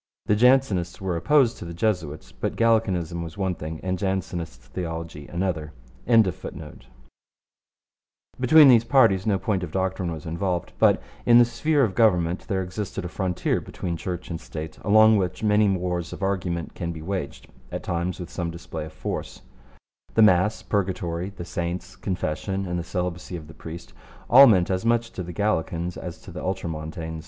The Jansenists were opposed to the Jesuits, but Gallicanism was one thing and Jansenist theology another.] but in the sphere of government there exists a frontier between Church and State along which many wars of argument can be waged at times with some display of force. The Mass, Purgatory, the Saints, Confession, and the celibacy of the priest, all meant as much to the Gallican as to the Ultramontane.